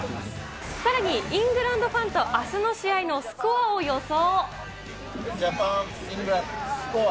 さらに、イングランドファンとあすの試合のスコアを予想。